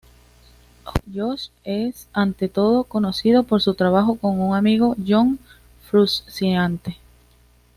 Josh es ante todo conocido por su trabajo con su amigo John Frusciante.